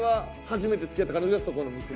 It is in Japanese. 初めて付き合った彼女がそこの娘。